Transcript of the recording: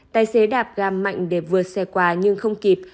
tài xế đạp ga mạnh để vượt xe qua nhưng không kịp